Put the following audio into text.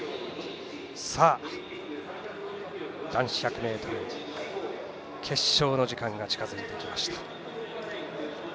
男子１００ｍ決勝の時間が近づいてきました。